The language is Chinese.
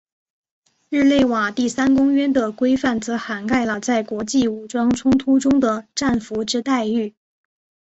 日内瓦第三公约的规范则涵盖了在国际武装冲突中的战俘之待遇。